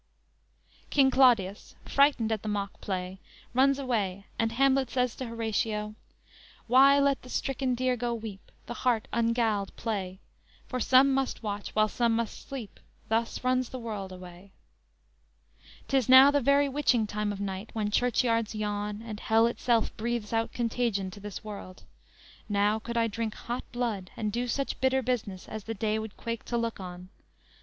"_ King Claudius frightened at the mock play runs away, and Hamlet says to Horatio: _"Why let the stricken deer go weep, The hart ungalled play; For some must watch, while some must sleep Thus runs the world away."_ _"'Tis now the very witching time of night, When churchyards yawn, and hell itself breathes out Contagion to this world; now could I drink hot blood, And do such bitter business as the day Would quake to look on.